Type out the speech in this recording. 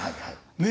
ねえ。